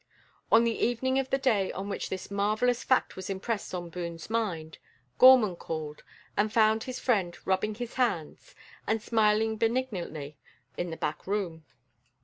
On the evening of the day on which this marvellous fact was impressed on Boone's mind, Gorman called, and found his friend rubbing his hands, and smiling benignantly in the back room.